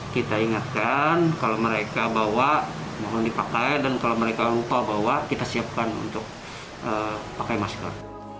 kita ingatkan kalau mereka bawa mohon dipakai dan kalau mereka lupa bawa kita siapkan untuk pakai masker